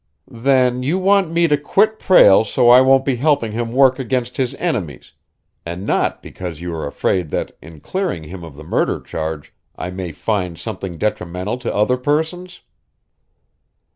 "Then you want me to quit Prale so I won't be helping him work against his enemies, and not because you are afraid that, in clearing him of the murder charge, I may find something detrimental to other persons?"